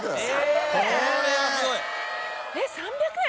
えっ３００円？